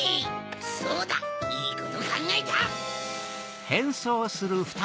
そうだいいことかんがえた！